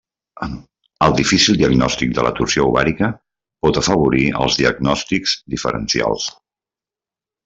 El difícil diagnòstic de la torsió ovàrica pot afavorir els diagnòstics diferencials.